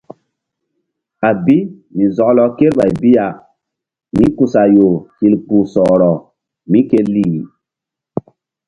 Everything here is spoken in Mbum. A bi mi zɔklɔ kreɓay bi ya nikusayo hil kpuh sɔhrɔ mí ke lih.